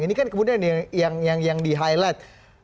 ini kan kemudian yang di highlight